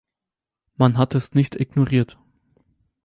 Man hat es nicht ignoriert.